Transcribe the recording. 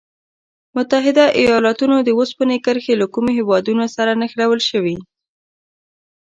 متحد ایلاتونو د اوسپنې کرښې له کومو هېوادونو سره نښلول شوي؟